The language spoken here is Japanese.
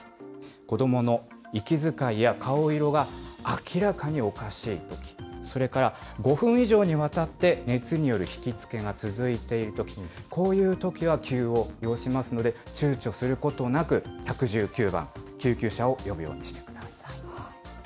子どもの息遣いや顔色が明らかにおかしいとき、それから５分以上にわたって、熱によるひきつけが続いているとき、こういうときは急を要しますので、ちゅうちょすることなく、１１９番、救急車を呼ぶようにしてください。